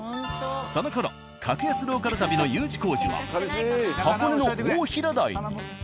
そのころ格安ローカル旅のＵ字工事は箱根の大平台に。